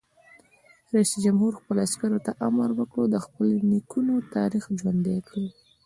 رئیس جمهور خپلو عسکرو ته امر وکړ؛ د خپلو نیکونو تاریخ ژوندی کړئ!